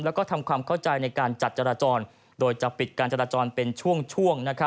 แล้วก็ทำความเข้าใจในการจัดจราจรโดยจะปิดการจราจรเป็นช่วง